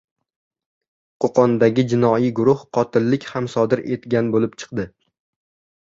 Qo‘qondagi jinoiy guruh qotillik ham sodir etgan bo‘lib chiqdi